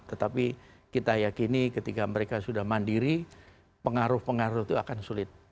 tetapi kita yakini ketika mereka sudah mandiri pengaruh pengaruh itu akan sulit